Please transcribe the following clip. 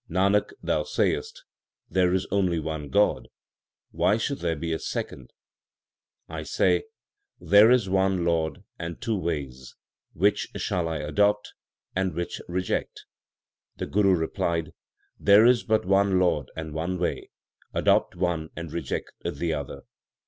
Nanak, thou sayest, " There is only one God ; why should there be a second ?" I say : < There is one Lord and two ways ; Which shall I adopt, and which reject ? The Guru replied : There is but one Lord and one way ; Adopt one and reject the other.